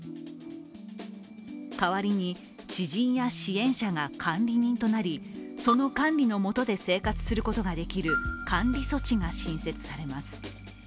代わりに知人や支援者が監理人となりその監理の下で生活することができる監理措置が新設されます。